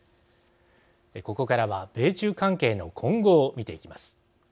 ここからは米中関係の今後を見ていきます。